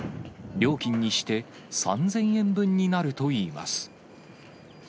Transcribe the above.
料金にして３０００円分になるといいます。